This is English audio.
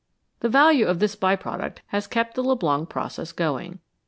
The value of this by product has kept the Leblanc process going.